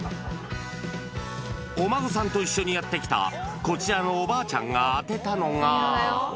お孫さんと一緒にやって来たこちらのおばあちゃんが当てたのが。